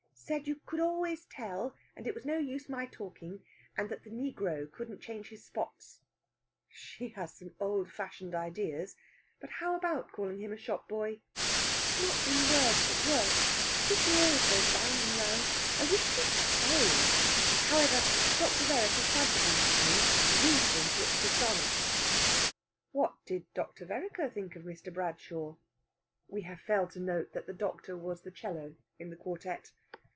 "Said you could always tell, and it was no use my talking, and the negro couldn't change his spots." "She has some old fashioned ideas. But how about calling him a shop boy?" "Not in words, but worse. Tishy always goes round and round. I wish she'd say! However, Dr. Vereker quite agrees with me. We think it dishonest!" "What did Dr. Vereker think of Mr. Bradshaw?" We have failed to note that the doctor was the 'cello in the quartet.